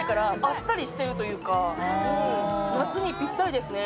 夏にぴったりですね。